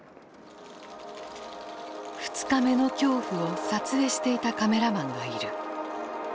二日目の恐怖を撮影していたカメラマンがいる。